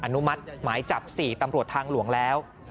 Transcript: อนุมัติหมายจับ๔ตำรวจทางหลวงแล้ว